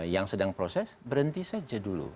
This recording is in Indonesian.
yang sedang proses berhenti saja dulu